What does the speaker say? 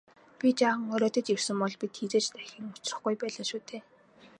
Би жаахан оройтож ирсэн бол бид хэзээ ч дахин учрахгүй байлаа шүү дээ.